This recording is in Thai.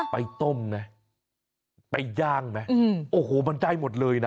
ไปต้มนะไปย่างนะโอ้โหมันได้หมดเลยนะ